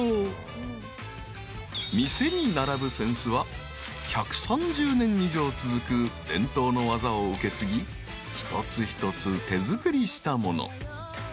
［店に並ぶ扇子は１３０年以上続く伝統の技を受け継ぎ一つ一つ手作りしたもの］